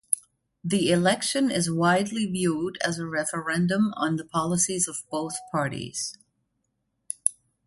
The election is widely viewed as a referendum on the policies of both parties.